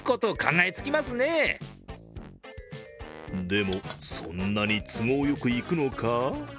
でも、そんなに都合よくいくのか？